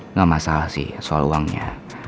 nggak masalah sih soal uangnya